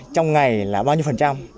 trong ngày là bao nhiêu phần trăm